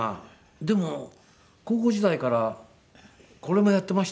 でも高校時代からこれもやっていましたから。